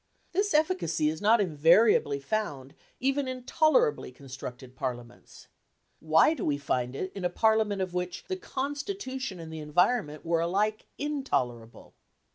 This efficacy is not invariably found even in tolerably constructed Parliaments. Why do we find it in a Parliament of which the constitution and the environment were alike intolerable?